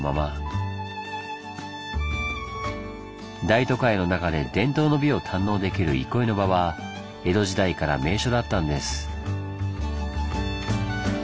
大都会の中で伝統の美を堪能できる憩いの場は江戸時代から名所だったんです。